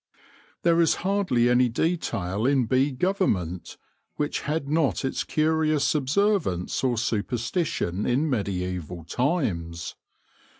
There is hardly any detail in bee government which had not its curious observance or superstition in mediaeval times.